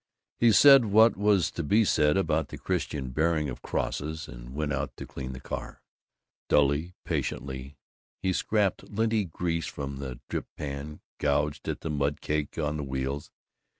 He said what was to be said about the Christian bearing of crosses, and went out to clean the car. Dully, patiently, he scraped linty grease from the drip pan, gouged at the mud caked on the wheels.